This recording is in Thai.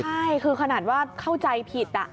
ใช่คือขนาดว่าเข้าใจผิด